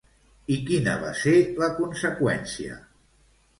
I quina va ser la conseqüència?